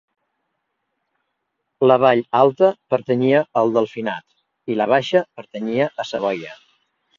La vall alta pertanyia al Delfinat, i la baixa pertanyia a Savoia.